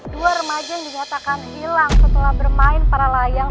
dua remajen dinyatakan hilang setelah bermain para layang